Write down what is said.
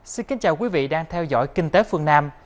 xin kính chào quý vị đang theo dõi kinh tế phương nam